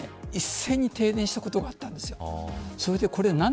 そこが一斉に停電したことがあったんです。